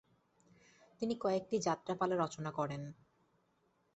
তিনি কয়েকটি যাত্রাপালা রচনা করেন।